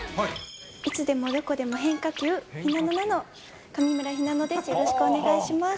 いつでもどこでも変化球、ひなのなの、上村ひなのです、よろしくお願いします。